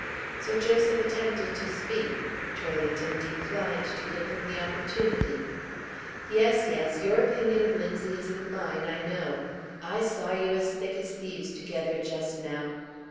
Sir Joseph attempted to speak. Turlington declined to give him the opportunity. "Yes! yes! your opinion of Linzie isn't mine, I know. I saw you as thick as thieves together just now."